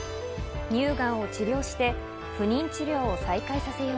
乳がんを治療して不妊治療を再開させよう。